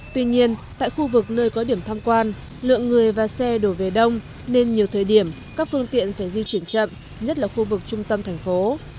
tuy nhiên tại khu vực nơi có điểm tham quan lượng người và xe đổ về đông nên nhiều thời điểm các phương tiện phải di chuyển chậm nhất là khu vực trung tâm thành phố